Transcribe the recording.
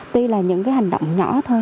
tuy là những cái hành động nhỏ thôi